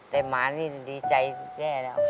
แต่หมานี่ดีใจแย่แล้ว